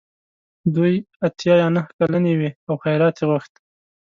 دوی اته یا نهه کلنې وې او خیرات یې غوښت.